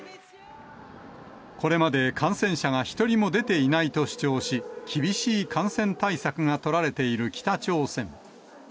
これまで感染者が一人も出ていないと主張し、厳しい感染対策が取られている北朝鮮。